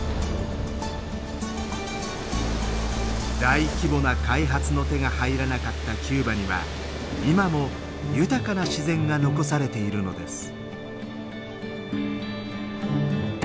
大規模な開発の手が入らなかったキューバには今も豊かな自然が残されているのです。